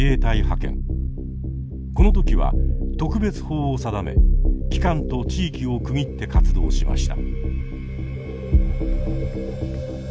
この時は特別法を定め期間と地域を区切って活動しました。